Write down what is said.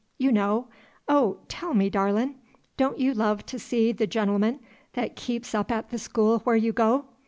you know, oh, tell me, darlin', don' you love to see the gen'l'man that keeps up at the school where you go?